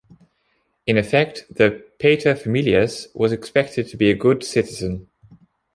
In effect, the "pater familias" was expected to be a good citizen.